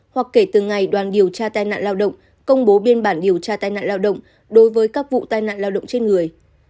hoặc kể từ ngày đoàn điều tra tai nạn lao động công bố biên bản điều tra tai nạn lao động đối với các vụ tai nạn lao động trên người